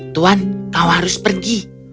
tuan kau harus pergi